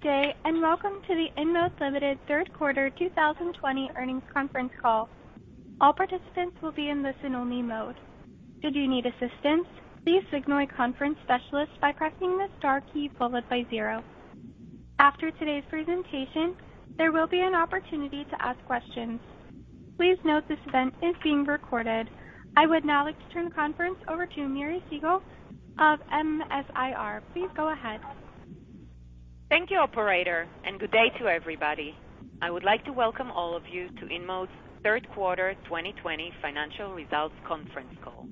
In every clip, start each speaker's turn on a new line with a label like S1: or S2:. S1: Good day, and welcome to the InMode Limited Third Quarter 2020 Earnings Conference Call. All participants will be in listen-only mode. Should you need assistance, please signal a conference specialist by pressing the star key followed by zero. After today's presentation, there will be an opportunity to ask questions. Please note this event is being recorded. I would now like to turn the conference over to Miri Segal of MS-IR. Please go ahead.
S2: Thank you, operator, and good day to everybody. I would like to welcome all of you to InMode's Third Quarter 2020 Financial Results Conference Call.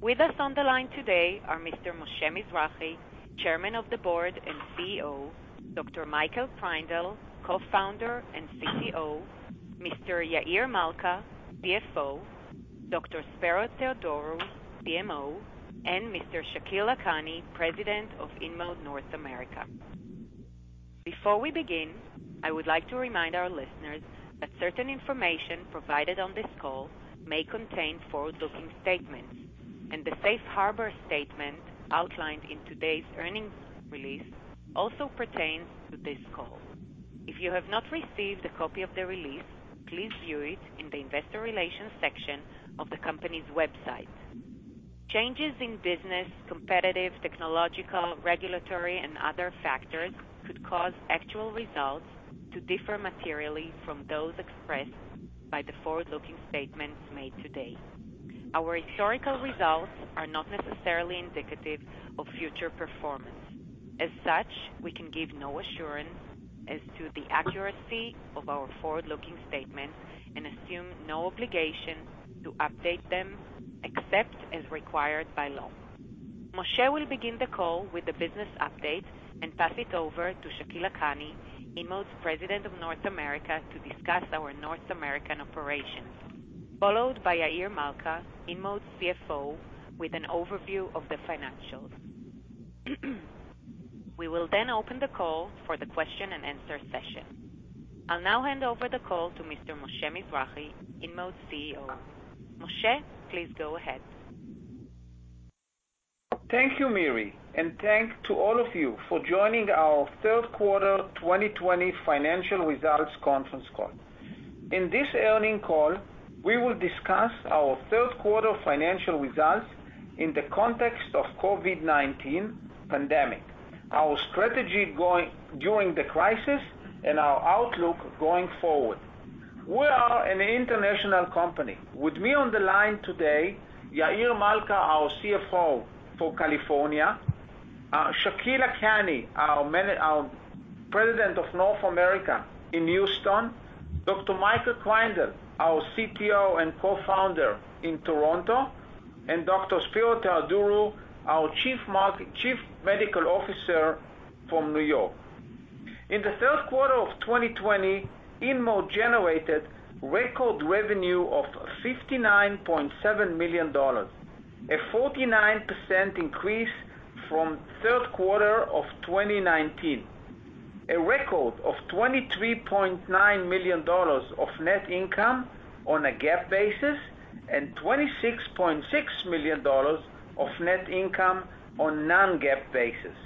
S2: With us on the line today are Mr. Moshe Mizrahy, Chairman of the Board and CEO, Dr. Michael Kreindel, Co-Founder and CTO, Mr. Yair Malca, CFO, Dr. Spero Theodorou, CMO, and Mr. Shakil Lakhani, President of InMode North America. Before we begin, I would like to remind our listeners that certain information provided on this call may contain forward-looking statements, and the safe harbor statement outlined in today's earnings release also pertains to this call. If you have not received a copy of the release, please view it in the investor relations section of the company's website. Changes in business, competitive, technological, regulatory, and other factors could cause actual results to differ materially from those expressed by the forward-looking statements made today. Our historical results are not necessarily indicative of future performance. As such, we can give no assurance as to the accuracy of our forward-looking statements and assume no obligation to update them, except as required by law. Moshe will begin the call with a business update and pass it over to Shakil Lakhani, InMode's President of North America, to discuss our North American operations, followed by Yair Malca, InMode's CFO, with an overview of the financials. We will then open the call for the question-and-answer session. I'll now hand over the call to Mr. Moshe Mizrahy, InMode's CEO. Moshe, please go ahead.
S3: Thank you, Miri. Thanks to all of you for joining our Third Quarter 2020 Financial Results Conference Call. In this earnings call, we will discuss our third quarter financial results in the context of COVID-19 pandemic, our strategy during the crisis, and our outlook going forward. We are an international company. With me on the line today, Yair Malca, our CFO for California, Shakil Lakhani, our President of InMode North America in Houston, Dr. Michael Kreindel, our CTO and Co-founder in Toronto, and Dr. Spero Theodorou, our Chief Medical Officer from New York. In the third quarter of 2020, InMode generated record revenue of $59.7 million, a 49% increase from third quarter of 2019. A record of $23.9 million of net income on a GAAP basis and $26.6 million of net income on non-GAAP basis.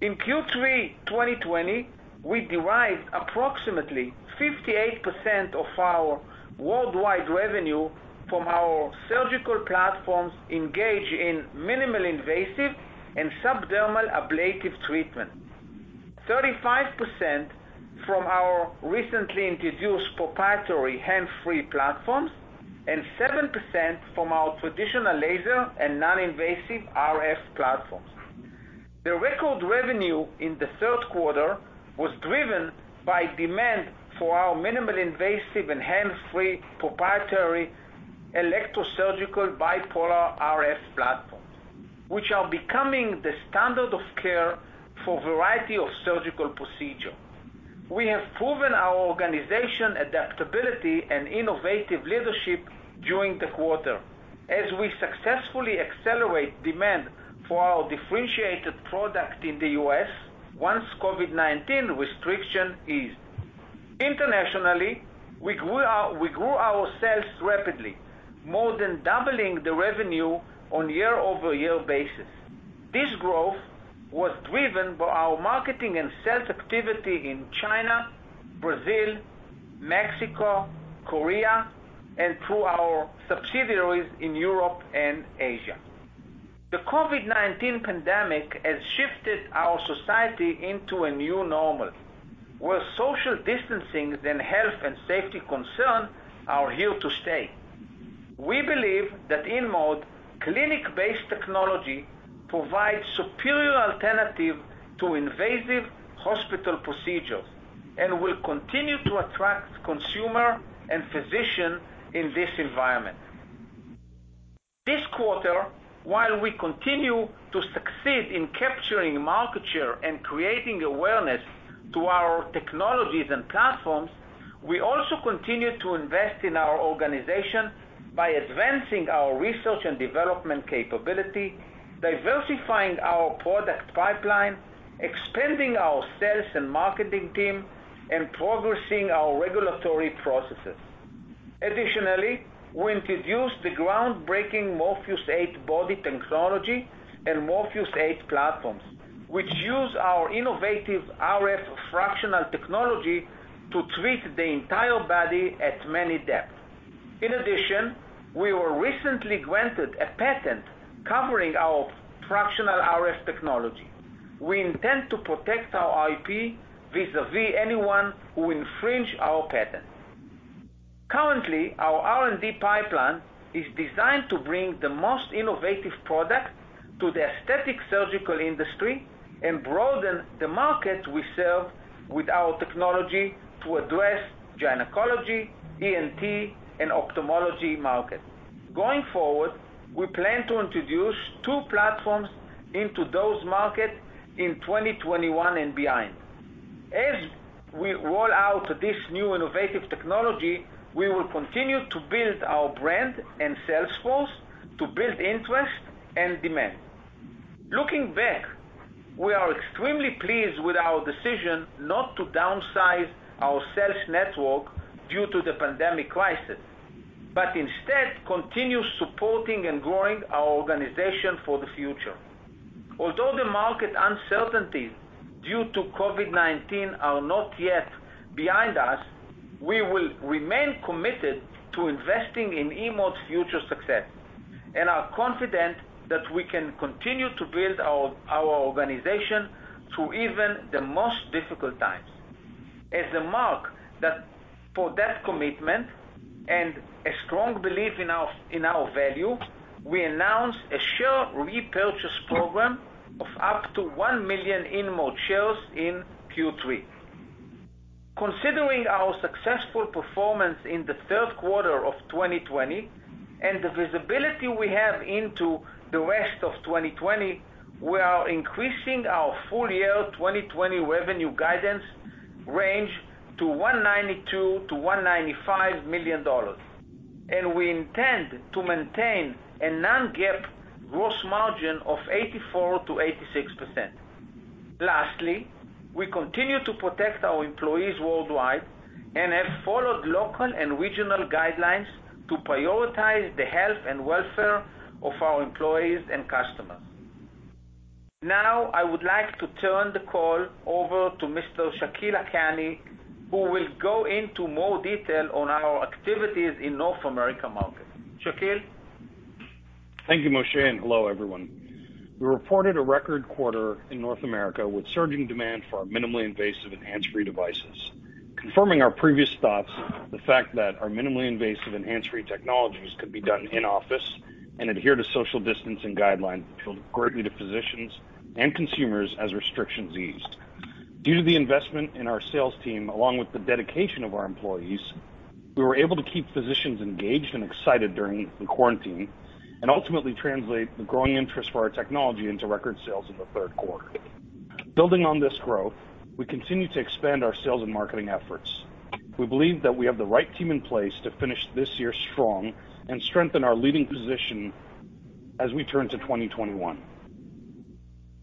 S3: In Q3 2020, we derived approximately 58% of our worldwide revenue from our surgical platforms engaged in minimally invasive and subdermal ablative treatment, 35% from our recently introduced proprietary hands-free platforms, and 7% from our traditional laser and non-invasive RF platforms. The record revenue in the third quarter was driven by demand for our minimally invasive and hands-free proprietary electrosurgical bipolar RF platforms, which are becoming the standard of care for a variety of surgical procedures. We have proven our organization adaptability and innovative leadership during the quarter as we successfully accelerate demand for our differentiated product in the U.S. once COVID-19 restriction eased. Internationally, we grew our sales rapidly, more than doubling the revenue on year-over-year basis. This growth was driven by our marketing and sales activity in China, Brazil, Mexico, Korea, and through our subsidiaries in Europe and Asia. The COVID-19 pandemic has shifted our society into a new normal, where social distancing and health and safety concern are here to stay. We believe that InMode clinic-based technology provides superior alternative to invasive hospital procedures and will continue to attract consumer and physician in this environment. This quarter, while we continue to succeed in capturing market share and creating awareness to our technologies and platforms, we also continue to invest in our organization by advancing our research and development capability, diversifying our product pipeline, expanding our sales and marketing team, and progressing our regulatory processes. Additionally, we introduced the groundbreaking Morpheus8 Body technology and Morpheus8 Platforms, which use our innovative RF fractional technology to treat the entire body at many depths. In addition, we were recently granted a patent covering our fractional RF technology. We intend to protect our IP vis-a-vis anyone who infringes our patent. Currently, our R&D pipeline is designed to bring the most innovative products to the aesthetic surgical industry and broaden the market we serve with our technology to address gynecology, ENT, and ophthalmology markets. Going forward, we plan to introduce two platforms into those markets in 2021 and beyond. As we roll out this new innovative technology, we will continue to build our brand and sales force to build interest and demand. Looking back, we are extremely pleased with our decision not to downsize our sales network due to the pandemic crisis, but instead continue supporting and growing our organization for the future. Although the market uncertainties due to COVID-19 are not yet behind us, we will remain committed to investing in InMode's future success and are confident that we can continue to build our organization through even the most difficult times. As a mark for that commitment and a strong belief in our value, we announced a share repurchase program of up to one million InMode shares in Q3. Considering our successful performance in the third quarter of 2020 and the visibility we have into the rest of 2020, we are increasing our full-year 2020 revenue guidance range to $192 million-$195 million. We intend to maintain a non-GAAP gross margin of 84%-86%. Lastly, we continue to protect our employees worldwide and have followed local and regional guidelines to prioritize the health and welfare of our employees and customers. Now, I would like to turn the call over to Mr. Shakil Lakhani, who will go into more detail on our activities in North America market. Shakil?
S4: Thank you, Moshe, and hello, everyone. We reported a record quarter in North America with surging demand for our minimally invasive, hands-free devices. Confirming our previous thoughts, the fact that our minimally invasive, hands-free technologies could be done in-office and adhere to social distancing guidelines appealed greatly to physicians and consumers as restrictions eased. Due to the investment in our sales team, along with the dedication of our employees, we were able to keep physicians engaged and excited during the quarantine, and ultimately translate the growing interest for our technology into record sales in the third quarter. Building on this growth, we continue to expand our sales and marketing efforts. We believe that we have the right team in place to finish this year strong and strengthen our leading position as we turn to 2021.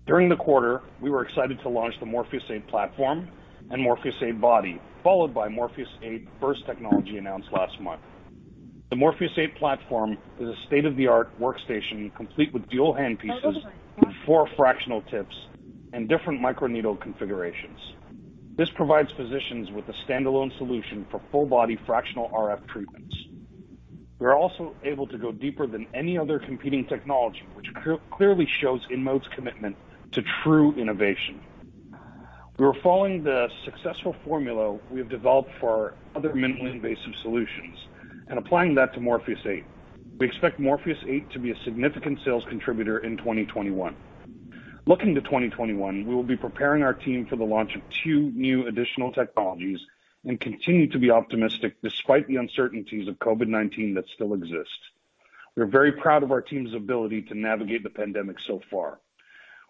S4: During the quarter, we were excited to launch the Morpheus8 Platform and Morpheus8 Body, followed by Morpheus8 Burst Technology, announced last month. The Morpheus8 Platform is a state-of-the-art workstation, complete with dual handpieces and four fractional tips and different microneedle configurations. This provides physicians with a standalone solution for full-body fractional RF treatments. We're also able to go deeper than any other competing technology, which clearly shows InMode's commitment to true innovation. We're following the successful formula we have developed for our other minimally invasive solutions and applying that to Morpheus8. We expect Morpheus8 to be a significant sales contributor in 2021. Looking to 2021, we will be preparing our team for the launch of two new additional technologies and continue to be optimistic despite the uncertainties of COVID-19 that still exist. We're very proud of our team's ability to navigate the pandemic so far.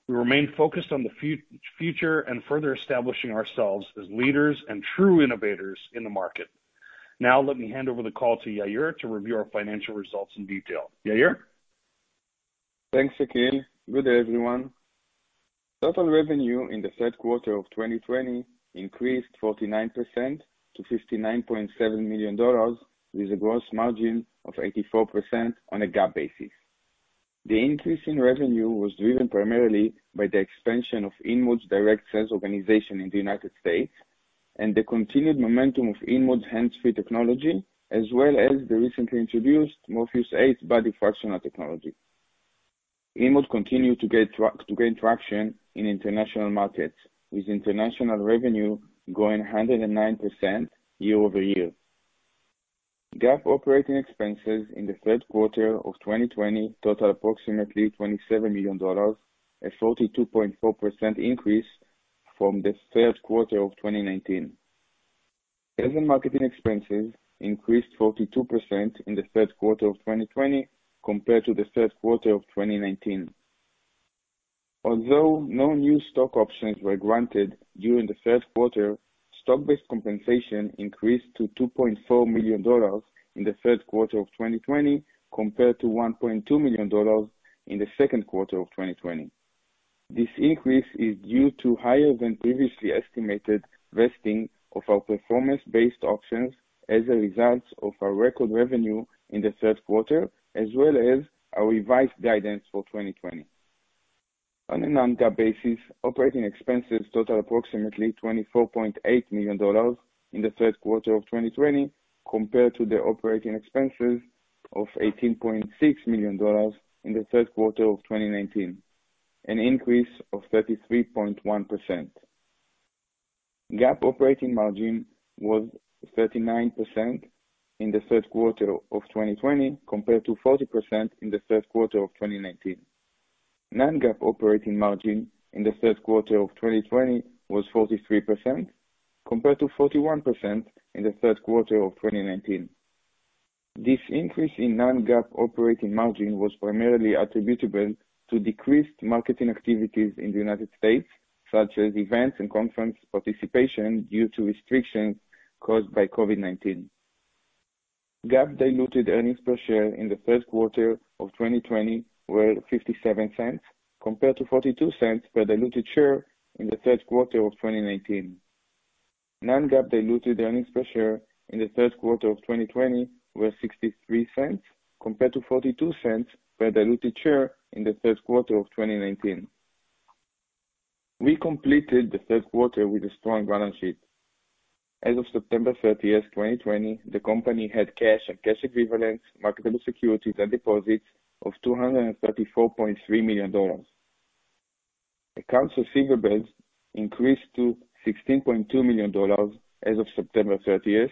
S4: We remain focused on the future and further establishing ourselves as leaders and true innovators in the market. Let me hand over the call to Yair to review our financial results in detail. Yair?
S5: Thanks, Shakil. Good day, everyone. Total revenue in the third quarter of 2020 increased 49% to $59.7 million, with a gross margin of 84% on a GAAP basis. The increase in revenue was driven primarily by the expansion of InMode's direct sales organization in the United States and the continued momentum of InMode's hands-free technology, as well as the recently introduced Morpheus8 Body fractional technology. InMode continued to gain traction in international markets, with international revenue growing 109% year-over-year. GAAP operating expenses in the third quarter of 2020 totaled approximately $27 million, a 42.4% increase from the third quarter of 2019. Sales and marketing expenses increased 42% in the third quarter of 2020 compared to the third quarter of 2019. Although no new stock options were granted during the third quarter, stock-based compensation increased to $2.4 million in the third quarter of 2020 compared to $1.2 million in the second quarter of 2020. This increase is due to higher than previously estimated vesting of our performance-based options as a result of our record revenue in the third quarter, as well as our revised guidance for 2020. On a non-GAAP basis, operating expenses total approximately $24.8 million in the third quarter of 2020 compared to the operating expenses of $18.6 million in the third quarter of 2019, an increase of 33.1%. GAAP operating margin was 39% in the third quarter of 2020 compared to 40% in the third quarter of 2019. Non-GAAP operating margin in the third quarter of 2020 was 43%, compared to 41% in the third quarter of 2019. This increase in non-GAAP operating margin was primarily attributable to decreased marketing activities in the United States, such as events and conference participation due to restrictions caused by COVID-19. GAAP diluted earnings per share in the third quarter of 2020 were $0.57, compared to $0.42 per diluted share in the third quarter of 2019. Non-GAAP diluted earnings per share in the third quarter of 2020 were $0.63, compared to $0.42 per diluted share in the third quarter of 2019. We completed the third quarter with a strong balance sheet. As of September 30th, 2020, the company had cash and cash equivalents, marketable securities, and deposits of $234.3 million. Accounts receivables increased to $16.2 million as of September 30th,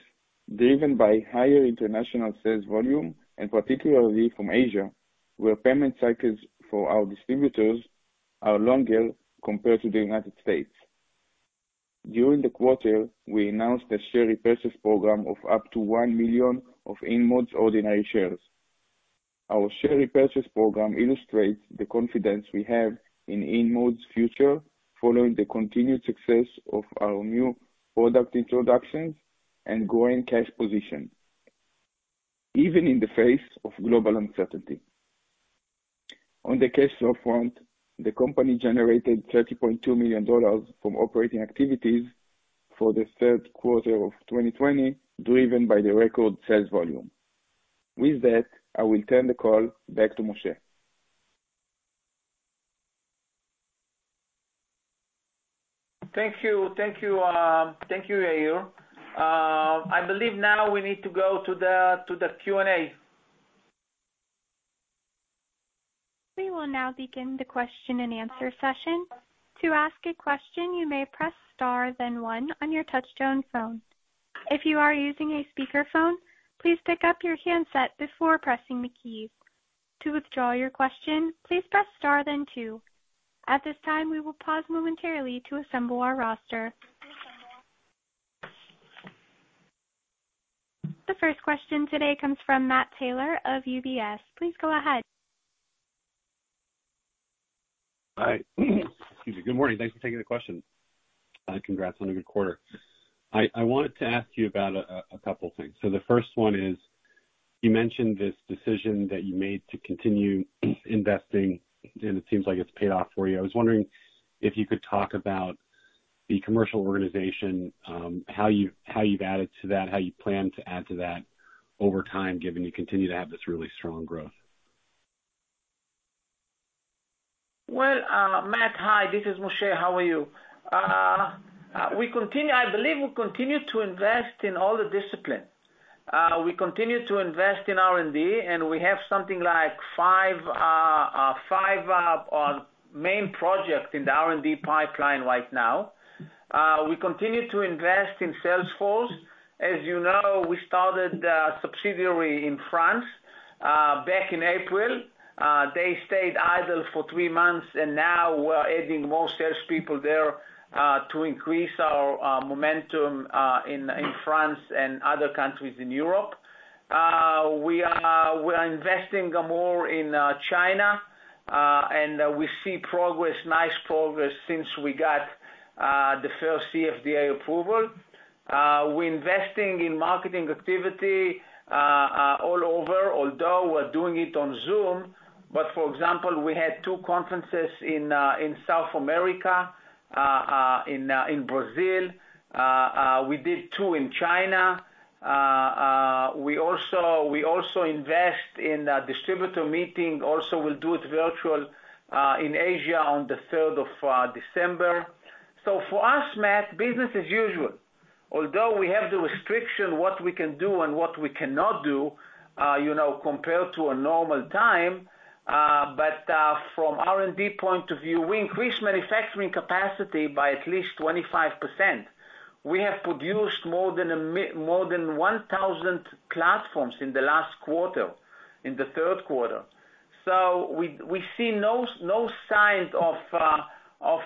S5: driven by higher international sales volume, and particularly from Asia, where payment cycles for our distributors are longer compared to the United States. During the quarter, we announced a share repurchase program of up to one million of InMode's ordinary shares. Our share repurchase program illustrates the confidence we have in InMode's future following the continued success of our new product introductions and growing cash position, even in the face of global uncertainty. On the cash flow front, the company generated $30.2 million from operating activities for the third quarter of 2020, driven by the record sales volume. With that, I will turn the call back to Moshe.
S3: Thank you, Yair. I believe now we need to go to the Q&A.
S1: We will now begin the question and answer session. To ask a question you may press star then one on your touchtone phone. If you are using a speaker phone plese pick up your handset before pressing the key. To withdraw your question please press star then two. At this time we will pause momentarily for to assemble our roster. The first question today comes from Matt Taylor of UBS. Please go ahead.
S6: Hi. Excuse me. Good morning. Thanks for taking the question, and congrats on a good quarter. I wanted to ask you about a couple of things. The first one is, you mentioned this decision that you made to continue investing, and it seems like it's paid off for you. I was wondering if you could talk about the commercial organization, how you've added to that, how you plan to add to that over time, given you continue to have this really strong growth.
S3: Well, Matt, hi. This is Moshe. How are you? I believe we'll continue to invest in all the disciplines. We continue to invest in R&D, and we have something like five main projects in the R&D pipeline right now. We continue to invest in sales force. As you know, we started a subsidiary in France, back in April. They stayed idle for three months, and now we're adding more salespeople there, to increase our momentum in France and other countries in Europe. We are investing more in China, and we see nice progress since we got the first CFDA approval. We're investing in marketing activity all over, although we're doing it on Zoom. For example, we had two conferences in South America, in Brazil. We did two in China. We also invest in a distributor meeting, also we'll do it virtual, in Asia on the 3rd of December. For us, Matt, business as usual. Although we have the restriction what we can do and what we cannot do, compared to a normal time, but from R&D point of view, we increased manufacturing capacity by at least 25%. We have produced more than 1,000 platforms in the last quarter, in the third quarter. We see no signs of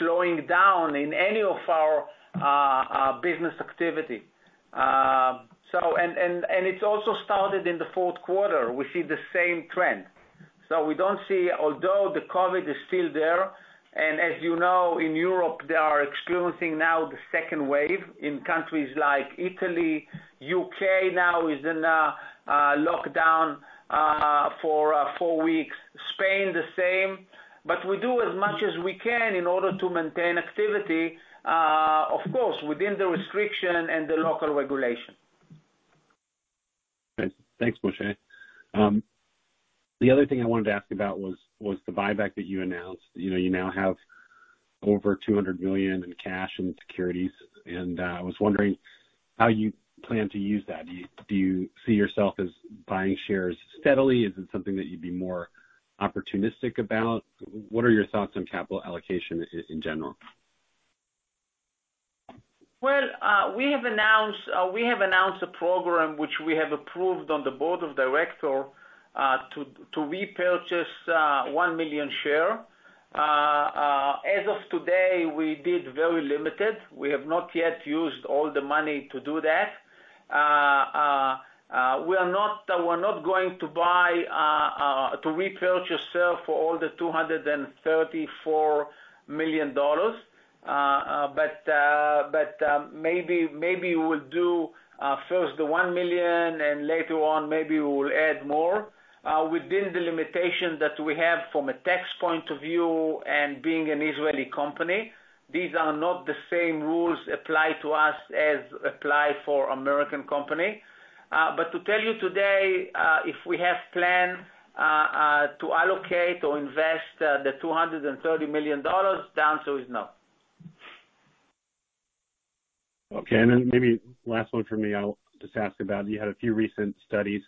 S3: slowing down in any of our business activity. It's also started in the fourth quarter. We see the same trend. We don't see, although the COVID is still there, and as you know, in Europe, they are experiencing now the second wave in countries like Italy, U.K. now is in a lockdown for four weeks remain the same, but we do as much as we can in order to maintain activity, of course, within the restriction and the local regulation.
S6: Thanks, Moshe. The other thing I wanted to ask about was the buyback that you announced. You now have over $200 million in cash and securities, and I was wondering how you plan to use that. Do you see yourself as buying shares steadily? Is it something that you'd be more opportunistic about? What are your thoughts on capital allocation in general?
S3: We have announced a program which we have approved on the board of directors to repurchase one million shares. As of today, we did very limited. We have not yet used all the money to do that. We are not going to repurchase shares for all the $234 million. Maybe we'll do first the one million, and later on, maybe we will add more, within the limitation that we have from a tax point of view and being an Israeli company. These are not the same rules applied to us as apply for American company. To tell you today, if we have plan to allocate or invest the $230 million, the answer is no.
S6: Okay. Maybe last one for me, I'll just ask about, you had a few recent studies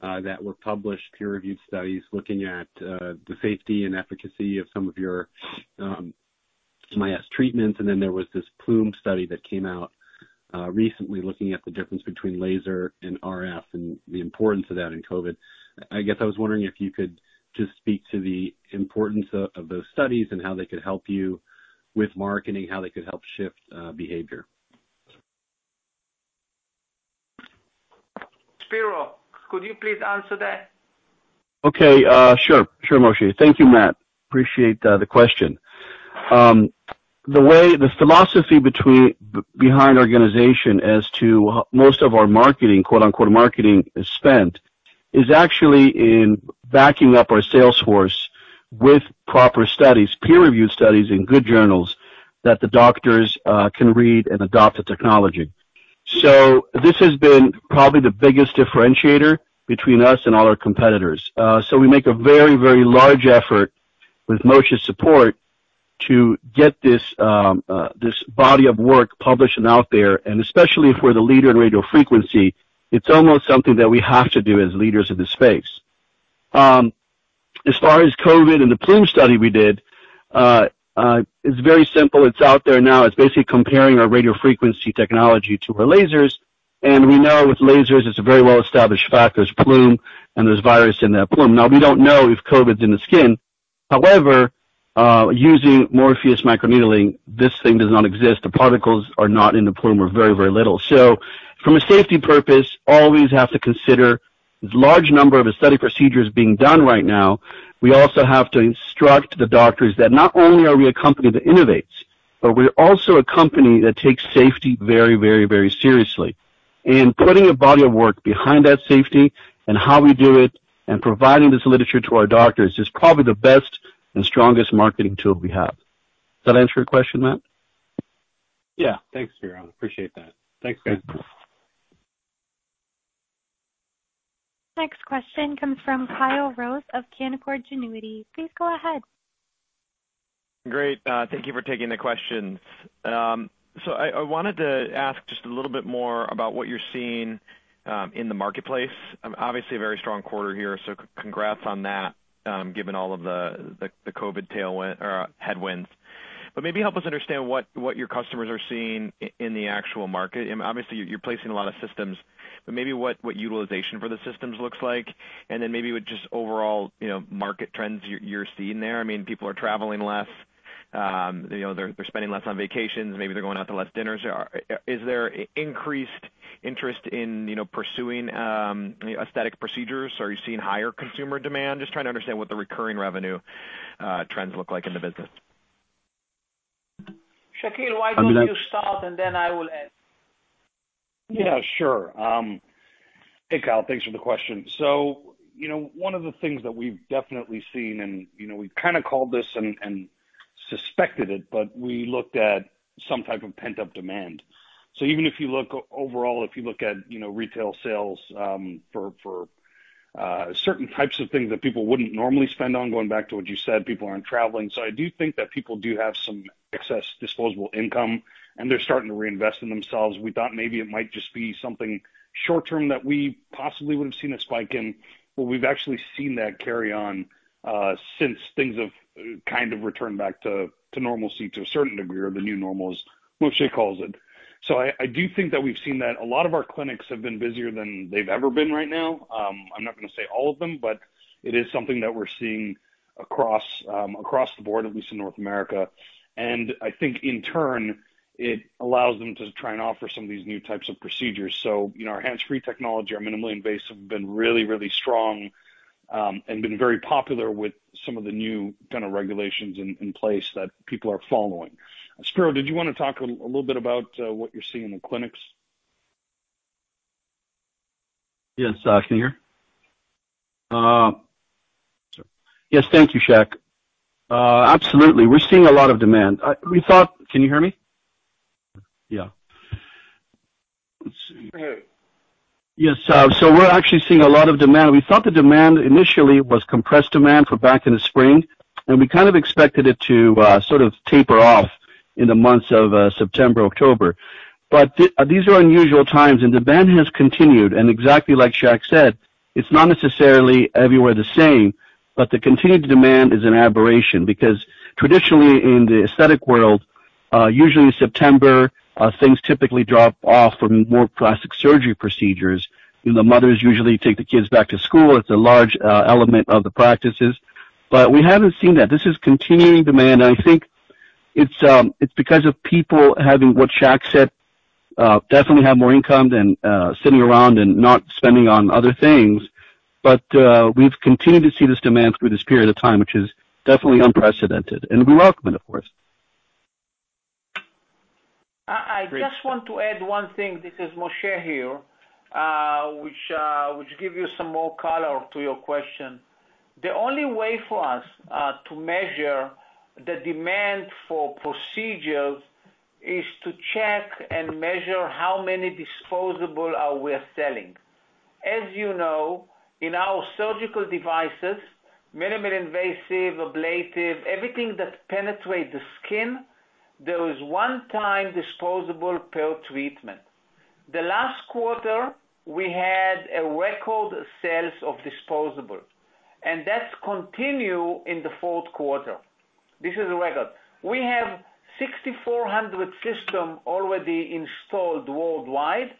S6: that were published, peer-reviewed studies, looking at the safety and efficacy of some of your MIAS treatments, and then there was this plume study that came out recently looking at the difference between laser and RF and the importance of that in COVID. I guess I was wondering if you could just speak to the importance of those studies and how they could help you with marketing, how they could help shift behavior.
S3: Spero, could you please answer that?
S7: Okay. Sure, Moshe. Thank you, Matt. Appreciate the question. The philosophy behind our organization as to most of our marketing, quote-unquote marketing, is spent, is actually in backing up our sales force with proper studies, peer-reviewed studies in good journals, that the doctors can read and adopt the technology. This has been probably the biggest differentiator between us and all our competitors. We make a very, very large effort, with Moshe's support, to get this body of work published and out there, and especially for the leader in radiofrequency, it's almost something that we have to do as leaders in this space. As far as COVID and the plume study we did, it's very simple. It's out there now. It's basically comparing our radiofrequency technology to our lasers. We know with lasers, it's a very well-established fact, there's plume, and there's virus in that plume. We don't know if COVID's in the skin. Using Morpheus8, this thing does not exist. The particles are not in the plume, or very, very little. From a safety purpose, always have to consider large number of aesthetic procedures being done right now. We also have to instruct the doctors that not only are we a company that innovates, but we're also a company that takes safety very, very, very seriously. Putting a body of work behind that safety and how we do it and providing this literature to our doctors is probably the best and strongest marketing tool we have. Does that answer your question, Matt?
S6: Yeah. Thanks, Spero. Appreciate that. Thanks, guys.
S1: Next question comes from Kyle Rose of Canaccord Genuity. Please go ahead.
S8: Great. Thank you for taking the questions. I wanted to ask just a little bit more about what you're seeing in the marketplace. Obviously, a very strong quarter here, so congrats on that, given all of the COVID-19 headwinds. Maybe help us understand what your customers are seeing in the actual market. Obviously, you're placing a lot of systems, but maybe what utilization for the systems looks like, and then maybe with just overall market trends you're seeing there. I mean, people are traveling less. They're spending less on vacations. Maybe they're going out to less dinners. Is there increased interest in pursuing aesthetic procedures? Are you seeing higher consumer demand? Just trying to understand what the recurring revenue trends look like in the business.
S3: Shakil, why don't you start, and then I will add.
S4: Yeah, sure. Hey, Kyle. Thanks for the question. One of the things that we've definitely seen, and we've kind of called this and suspected it, but we looked at some type of pent-up demand. Even if you look overall, if you look at retail sales for certain types of things that people wouldn't normally spend on, going back to what you said, people aren't traveling. I do think that people do have some excess disposable income, and they're starting to reinvest in themselves. We thought maybe it might just be something short-term that we possibly would've seen a spike in, but we've actually seen that carry on since things have kind of returned back to normalcy to a certain degree, or the new normal, as Moshe calls it. I do think that we've seen that. A lot of our clinics have been busier than they've ever been right now. I'm not going to say all of them, but it is something that we're seeing across the board, at least in North America. I think in turn, it allows them to try and offer some of these new types of procedures. Our hands-free technology, our minimally invasive, have been really strong, and been very popular with some of the new kind of regulations in place that people are following. Spero, did you want to talk a little bit about what you're seeing in the clinics?
S7: Yes. Can you hear? Yes. Thank you, Shakil. Absolutely. We're seeing a lot of demand. Can you hear me? Yeah. Let's see. Yes. We're actually seeing a lot of demand. We thought the demand initially was compressed demand for back in the spring. We kind of expected it to sort of taper off in the months of September, October. These are unusual times. Demand has continued. Exactly like Shak said, it's not necessarily everywhere the same, but the continued demand is an aberration. Traditionally in the aesthetic world, usually September, things typically drop off from more plastic surgery procedures. The mothers usually take the kids back to school. It's a large element of the practices, but we haven't seen that. This is continuing demand. I think it's because of people having, what Shak said, definitely have more income than sitting around and not spending on other things. We've continued to see this demand through this period of time, which is definitely unprecedented, and welcome, of course.
S3: I just want to add one thing. This is Moshe here, which give you some more color to your question. The only way for us to measure the demand for procedures is to check and measure how many disposable are we selling. As you know, in our surgical devices, minimally invasive, ablative, everything that penetrates the skin, there is one-time disposable per treatment. The last quarter, we had a record sales of disposable, that continue in the fourth quarter. This is a record. We have 6,400 system already installed worldwide,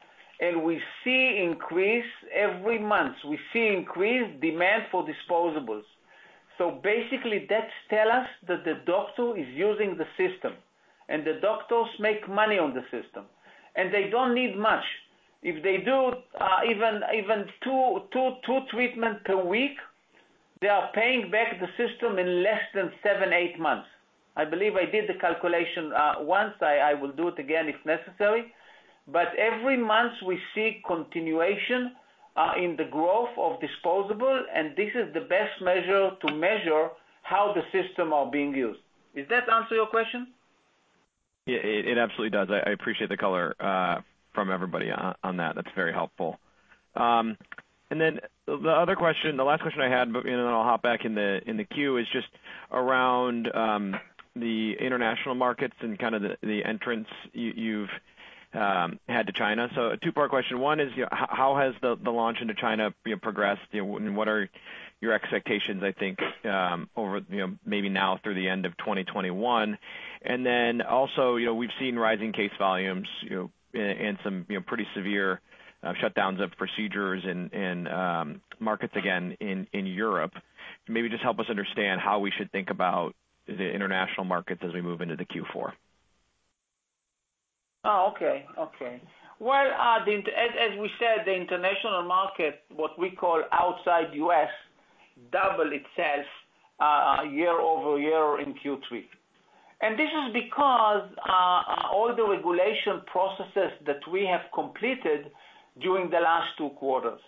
S3: we see increase every month. We see increased demand for disposables. Basically, that tell us that the doctor is using the system, the doctors make money on the system, they don't need much. If they do even two treatment per week, they are paying back the system in less than seven, eight months. I believe I did the calculation once. I will do it again if necessary. Every month, we see continuation in the growth of disposable, and this is the best measure to measure how the system are being used. Does that answer your question?
S8: It absolutely does. I appreciate the color from everybody on that. That's very helpful. The last question I had, and then I'll hop back in the queue, is just around the international markets and kind of the entrance you've had to China. A two-part question. One is, how has the launch into China progressed? What are your expectations, I think, over maybe now through the end of 2021? Also, we've seen rising case volumes and some pretty severe shutdowns of procedures in markets again in Europe. Maybe just help us understand how we should think about the international markets as we move into the Q4.
S3: Okay, as we said, the international market, what we call outside U.S., double itself year-over-year in Q3. This is because all the regulation processes that we have completed during the last two quarters.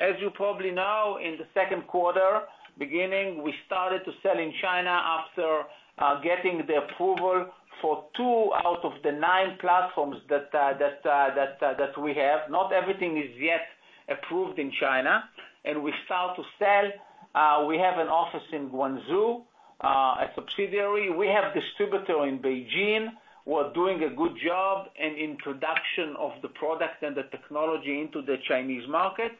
S3: As you probably know, in the second quarter, beginning, we started to sell in China after getting the approval for two out of the nine platforms that we have. Not everything is yet approved in China. We start to sell. We have an office in Guangzhou, a subsidiary. We have distributor in Beijing who are doing a good job in introduction of the product and the technology into the Chinese market.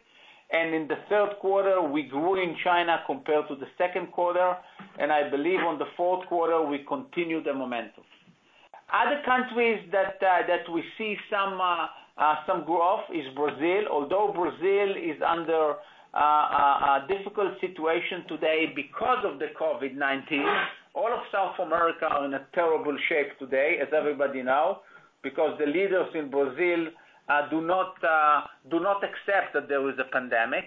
S3: In the third quarter, we grew in China compared to the second quarter. I believe on the fourth quarter, we continue the momentum. Other countries that we see some growth is Brazil. Brazil is under a difficult situation today because of the COVID-19, all of South America are in a terrible shape today, as everybody know, because the leaders in Brazil do not accept that there is a pandemic.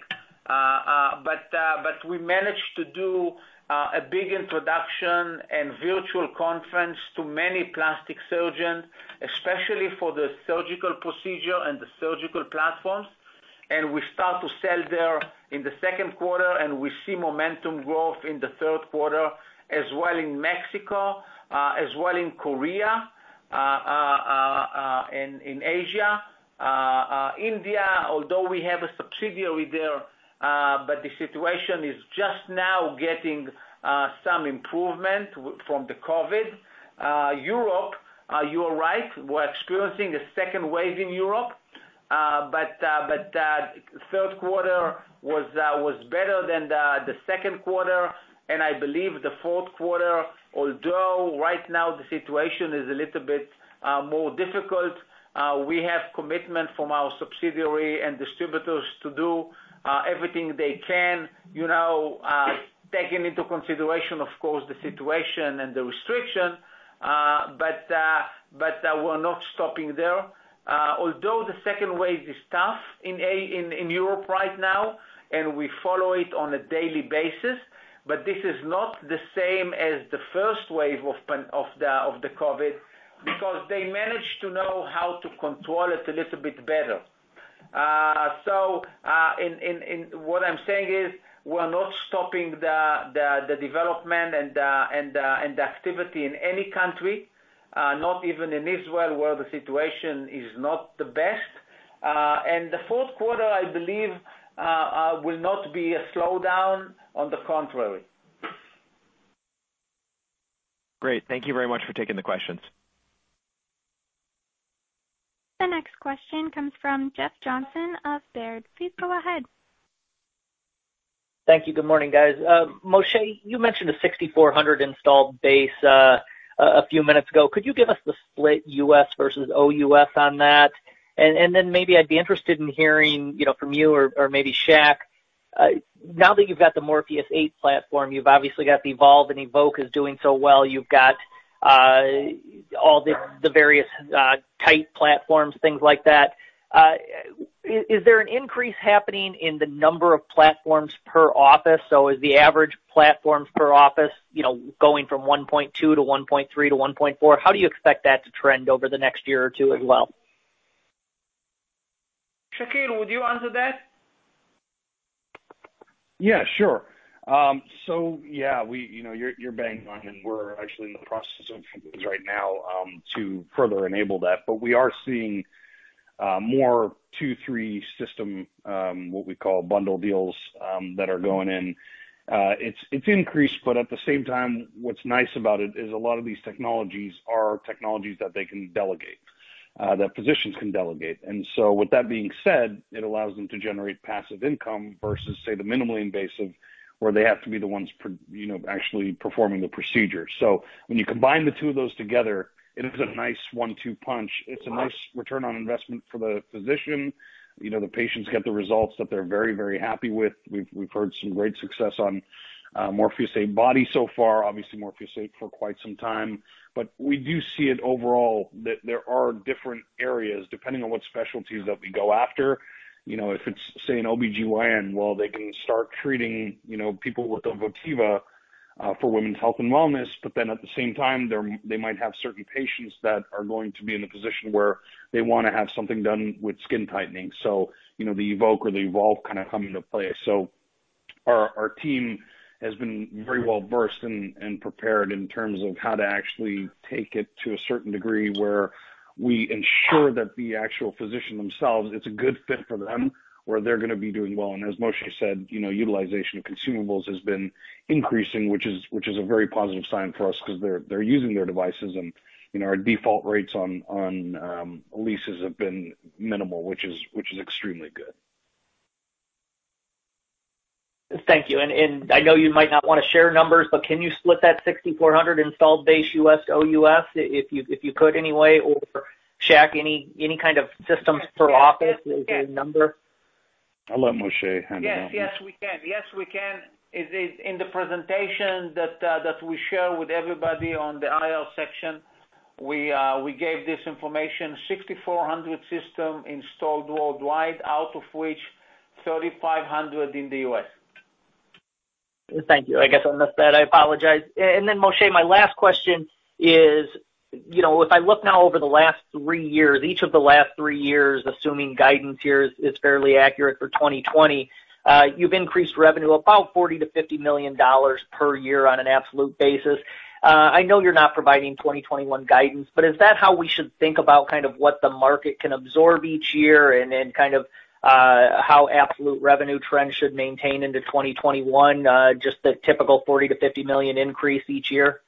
S3: We managed to do a big introduction and virtual conference to many plastic surgeons, especially for the surgical procedure and the surgical platforms. We start to sell there in the second quarter, and we see momentum growth in the third quarter as well in Mexico, as well in Korea, in Asia. India, although we have a subsidiary there, but the situation is just now getting some improvement from the COVID. Europe, you are right. We're experiencing a second wave in Europe. Third quarter was better than the second quarter, and I believe the fourth quarter, although right now the situation is a little bit more difficult, we have commitment from our subsidiary and distributors to do everything they can, taking into consideration, of course, the situation and the restriction. We're not stopping there. Although the second wave is tough in Europe right now, and we follow it on a daily basis, but this is not the same as the first wave of the COVID, because they managed to know how to control it a little bit better. What I'm saying is, we're not stopping the development and the activity in any country, not even in Israel where the situation is not the best. The fourth quarter, I believe, will not be a slowdown. On the contrary.
S8: Great. Thank you very much for taking the questions.
S1: The next question comes from Jeff Johnson of Baird. Please go ahead.
S9: Thank you. Good morning, guys. Moshe, you mentioned a 6,400 installed base a few minutes ago. Could you give us the split U.S. versus OUS on that? Then maybe I'd be interested in hearing from you or maybe Shak, now that you've got the Morpheus8 Platform, you've obviously got the Evolve and Evoke is doing so well. You've got all the various tight platforms, things like that. Is there an increase happening in the number of platforms per office? Is the average platforms per office going from 1.2 to 1.3 to 1.4? How do you expect that to trend over the next year or two as well?
S3: Shakil, would you answer that?
S4: Yeah, sure. Yeah, you're bang on, and we're actually in the process of things right now, to further enable that. We are seeing more two, three-system, what we call bundle deals, that are going in. It's increased, but at the same time, what's nice about it is a lot of these technologies are technologies that they can delegate, that physicians can delegate. With that being said, it allows them to generate passive income versus, say, the minimally invasive, where they have to be the ones actually performing the procedure. When you combine the two of those together, it is a nice one-two punch. It's a nice return on investment for the physician. The patients get the results that they're very happy with. We've heard some great success on Morpheus8 Body so far, obviously Morpheus8 for quite some time. We do see it overall that there are different areas, depending on what specialties that we go after. If it's, say, an OBGYN, well, they can start treating people with a Votiva for women's health and wellness. At the same time, they might have certain patients that are going to be in a position where they want to have something done with skin tightening. The Evoke or the Evolve kind of come into play. Our team has been very well-versed and prepared in terms of how to actually take it to a certain degree where we ensure that the actual physician themselves, it's a good fit for them, where they're going to be doing well. As Moshe said, utilization of consumables has been increasing, which is a very positive sign for us because they're using their devices and our default rates on leases have been minimal, which is extremely good.
S9: Thank you. I know you might not want to share numbers, but can you split that 6,400 installed base U.S., OUS, if you could anyway, or Shak, any kind of systems per office?
S3: Yes.
S9: Is there a number?
S4: I'll let Moshe handle that one.
S3: Yes, we can. In the presentation that we share with everybody on the IR section, we gave this information, 6,400 system installed worldwide, out of which 3,500 in the U.S.
S9: Thank you. I guess I missed that. I apologize. Then Moshe, my last question is, if I look now over the last three years, each of the last three years, assuming guidance here is fairly accurate for 2020, you've increased revenue about $40 million-$50 million per year on an absolute basis. I know you're not providing 2021 guidance, is that how we should think about what the market can absorb each year? Then kind of how absolute revenue trends should maintain into 2021, just the typical $40 million-$50 million increase each year?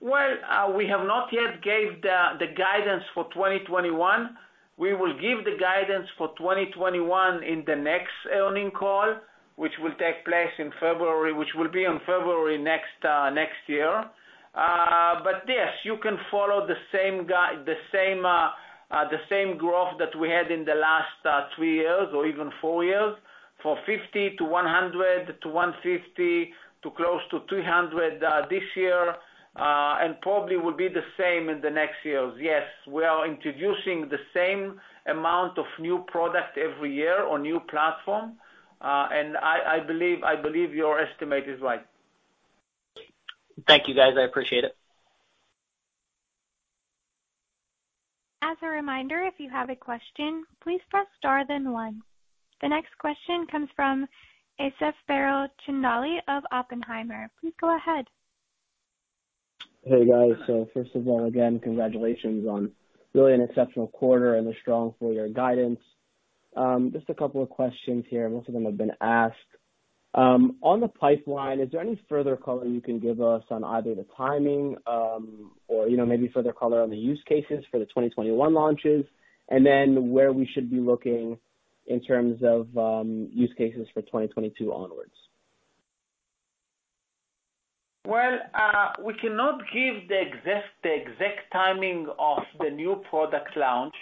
S3: We have not yet gave the guidance for 2021. We will give the guidance for 2021 in the next earning call, which will be in February next year. Yes, you can follow the same growth that we had in the last three years or even four years. For $50 to $100 to $150 to close to $300 this year. Probably will be the same in the next years. Yes, we are introducing the same amount of new product every year or new platform. I believe your estimate is right.
S9: Thank you, guys. I appreciate it.
S1: As a reminder, if you have a question, please press star then one. The next question comes from Suraj Kalia of Oppenheimer. Please go ahead.
S10: Hey, guys. First of all, again, congratulations on really an exceptional quarter and a strong full-year guidance. Just a couple of questions here, most of them have been asked. On the pipeline, is there any further color you can give us on either the timing, or maybe further color on the use cases for the 2021 launches, and then where we should be looking in terms of use cases for 2022 onwards?
S3: Well, we cannot give the exact timing of the new product launch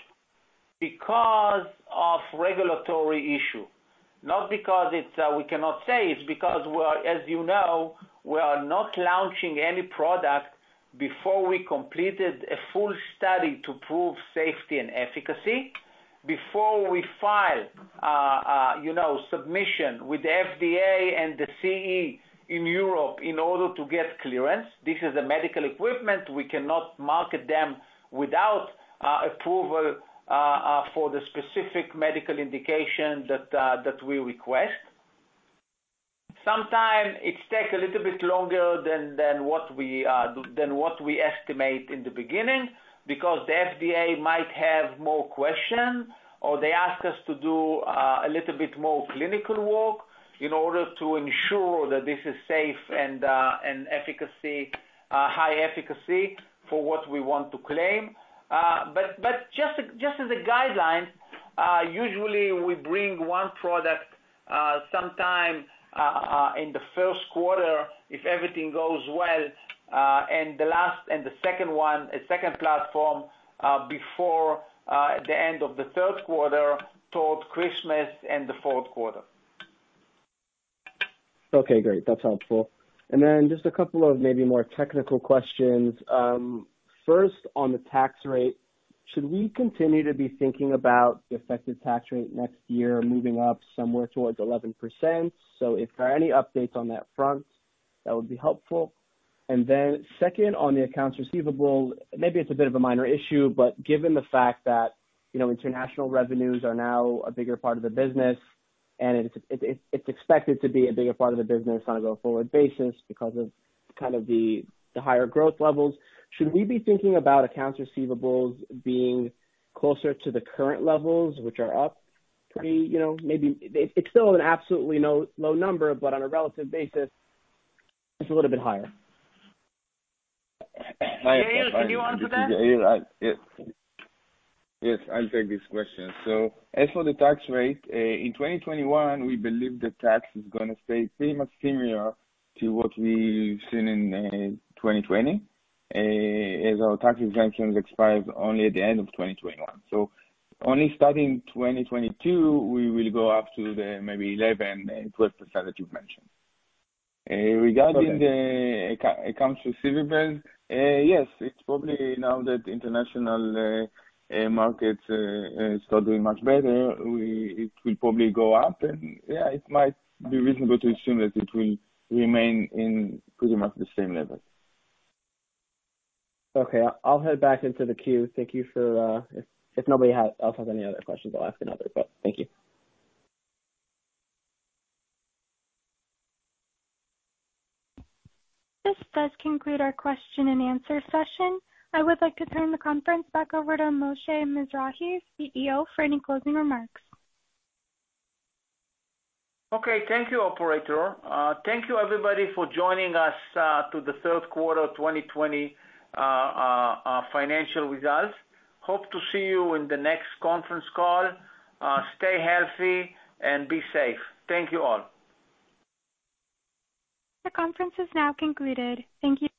S3: because of regulatory issue. Not because we cannot say, it's because, as you know, we are not launching any product before we completed a full study to prove safety and efficacy, before we file a Submission with the FDA and the CE in Europe in order to get clearance. This is a medical equipment. We cannot market them without approval for the specific medical indication that we request. Sometimes it takes a little bit longer than what we estimate in the beginning, because the FDA might have more questions, or they ask us to do a little bit more clinical work in order to ensure that this is safe and high efficacy for what we want to claim. Just as a guideline, usually we bring one product sometime in the first quarter, if everything goes well, and the second platform, before the end of the third quarter, towards Christmas and the fourth quarter.
S10: Okay, great. That's helpful. Then just a couple of maybe more technical questions. First, on the tax rate, should we continue to be thinking about the effective tax rate next year moving up somewhere towards 11%? If there are any updates on that front, that would be helpful. Then second, on the accounts receivable, maybe it's a bit of a minor issue, but given the fact that international revenues are now a bigger part of the business, and it's expected to be a bigger part of the business on a go-forward basis because of the higher growth levels, should we be thinking about accounts receivables being closer to the current levels. It's still an absolutely low number, but on a relative basis, it's a little bit higher.
S3: Yair, can you answer that?
S5: Yes, I'll take this question. As for the tax rate, in 2021, we believe the tax is going to stay pretty much similar to what we've seen in 2020, as our tax exemptions expire only at the end of 2021. Only starting 2022, we will go up to the maybe 11% that you've mentioned. Regarding the accounts receivable, yes, it's probably now that international markets start doing much better, it will probably go up, and yeah, it might be reasonable to assume that it will remain in pretty much the same level.
S10: Okay. I'll head back into the queue. Thank you. If nobody else has any other questions, I'll ask another, but thank you.
S1: This does conclude our question and answer session. I would like to turn the conference back over to Moshe Mizrahy, CEO, for any closing remarks.
S3: Okay. Thank you, operator. Thank you everybody for joining us to the third quarter 2020 financial results. Hope to see you in the next conference call. Stay healthy and be safe. Thank you all.
S1: The conference is now concluded. Thank you.